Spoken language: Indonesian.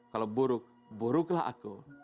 kalau buruk buruklah aku